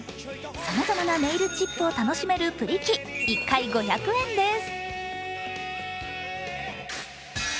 さまざまなネイルチップを楽しめるプリ機、１回５００円です。